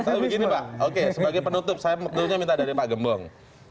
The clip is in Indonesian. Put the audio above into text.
saya lebih gini pak oke sebagai penutup saya minta dari pak gembong